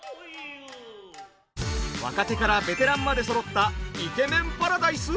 若手からベテランまでそろったイケメンパラダイス！？